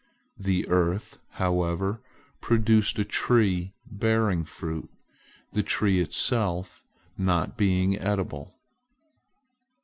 The earth, however, produced a tree bearing fruit, the tree itself not being edible.